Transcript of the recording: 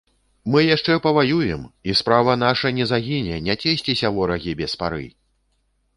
Мы яшчэ паваюем, і справа наша не загіне, не цешцеся, ворагі, без пары!